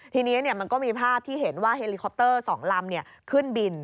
ทีนี้มันก็มีภาพที่เห็นว่าเฮลิคอปเตอร์๒ลำขึ้นบิน